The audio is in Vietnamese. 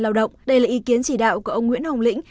lao động đây là ý kiến chỉ đạo của ông nguyễn hồng lĩnh